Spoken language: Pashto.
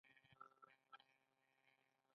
ایران زنده باد.